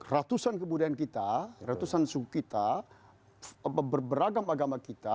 ratusan kebudayaan kita ratusan suku kita beragam agama kita